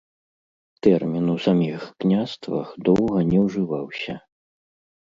Тэрмін у саміх княствах доўга не ўжываўся.